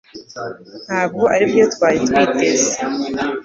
Ntabwo aribyo twari twiteze